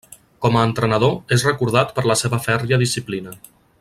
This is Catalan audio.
Com a entrenador és recordat per la seva fèrria disciplina.